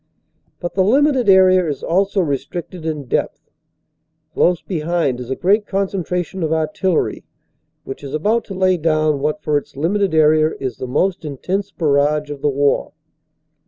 But the limited area is also restricted in depth. Close behind is a great concentration of artillery, which is about to lay down what for its limited area is the most intense barrage of the war.